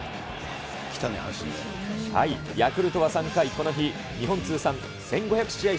ヤクルトは３回、この日、日本通算１５００試合